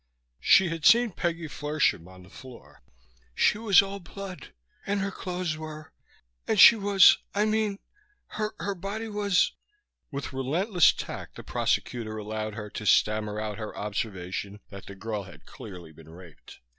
She had seen Peggy Flershem on the floor. "She was all blood. And her clothes were And she was, I mean her her body was " With relentless tact the prosecutor allowed her to stammer out her observation that the girl had clearly been raped.